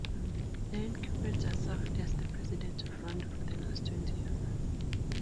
The incumbent has served as the president of Rwanda for the last twenty years.